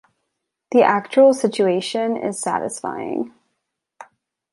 The actual situation is satisfying.